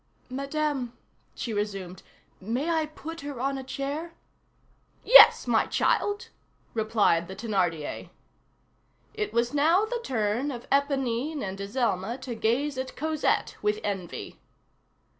"Madame," she resumed, "may I put her on a chair?" "Yes, my child," replied the Thénardier. It was now the turn of Éponine and Azelma to gaze at Cosette with envy.